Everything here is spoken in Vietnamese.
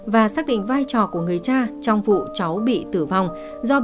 và xác định vai trò của người cha trong vụ cháu bị tử vong do